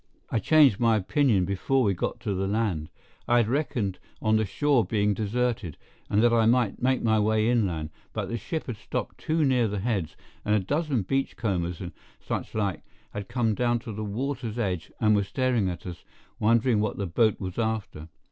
I changed my opinion before we got to the land. I had reckoned on the shore being deserted, and that I might make my way inland; but the ship had stopped too near the Heads, and a dozen beach combers and such like had come down to the water's edge and were staring at us, wondering what the boat was after.